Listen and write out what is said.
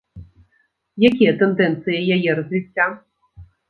Якія тэндэнцыі яе развіцця?